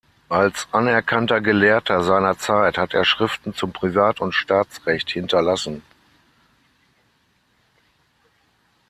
Als anerkannter Gelehrter seiner Zeit hat er Schriften zum Privat- und Staatsrecht hinterlassen.